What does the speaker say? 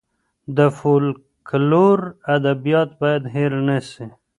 د فولکلور ادبيات بايد هېر نه سي.